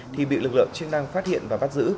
thì bị lực lượng chức năng phát hiện và bắt giữ